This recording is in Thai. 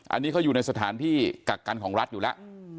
อันนี้เขาอยู่ในสถานที่กักกันของรัฐอยู่แล้ว